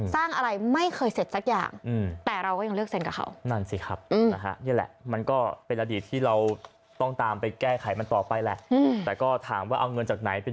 สร้างอะไรไม่เคยเสร็จสักอย่างแต่เราก็ยังเลือกเซ็นกับเขานั่นสิครับ